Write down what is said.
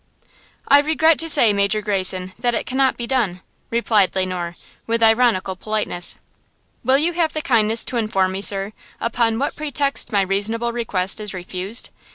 "I regret to say, Major Greyson, that it cannot be done," replied Le Noir, with ironical politeness. "Will you have the kindness to inform me, sir, upon what pretext my reasonable request is refused?"